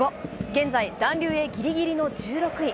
現在、残留へぎりぎりの１６位。